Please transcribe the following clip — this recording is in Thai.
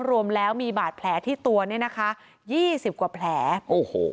รวมแล้วมีบาดแผลที่ตัวเนี่ยนะคะยี่สิบกว่าแผลโอ้โห